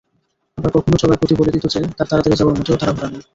আবার কখনো চলার গতি বলে দিত যে, তার তাড়াতাড়ি যাওয়ার মোটেও তাড়াহুড়া নেই।